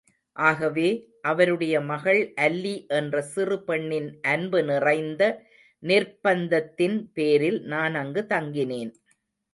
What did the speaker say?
ஆகவே, அவருடைய மகள் அல்லி என்ற சிறு பெண்ணின் அன்பு நிறைந்த நிர்ப்பந்தத்தின் பேரில் நான் அங்கு தங்கினேன்.